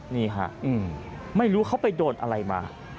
นี่ฮะไม่รู้เขาไปโดนอะไรมา